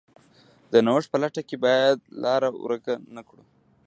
د نوښت په لټه کې باید لار ورکه نه کړو.